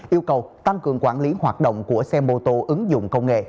yêu cầu tăng cường quản lý hoạt động của xe mô tô ứng dụng công nghệ